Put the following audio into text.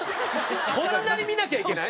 そんなに見なきゃいけない？